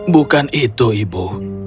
bukan itu ibu